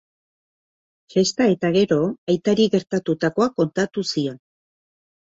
Festa eta gero, aitari gertatutakoa kontatu zion.